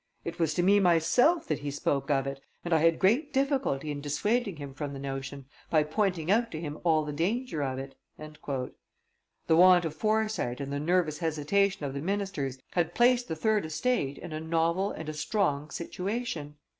It was to me myself that he spoke of it, and I had great difficulty in dissuading him from the notion, by pointing out to him all the danger of it." The want of foresight and the nervous hesitation of the ministers had placed the third estate in a novel and a strong situation.